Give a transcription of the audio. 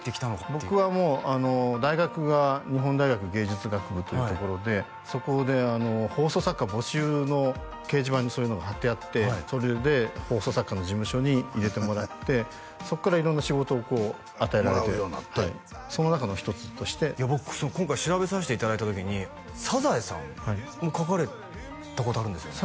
僕はもう大学が日本大学芸術学部というところでそこで放送作家募集の掲示板にそういうのが貼ってあってそれで放送作家の事務所に入れてもらってそっから色んな仕事をこう与えられてその中の一つとして僕今回調べさせていただいた時に「サザエさん」も書かれたことあるんですよね？